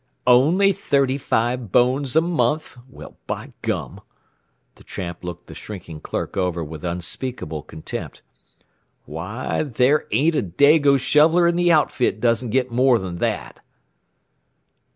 "Only thirty five bones a month? Well, by gum!" The tramp looked the shrinking clerk over with unspeakable contempt. "Why, there ain't a Dago shoveler in the outfit doesn't get more than that!